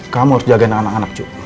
kamu harus jagain anak anak cucu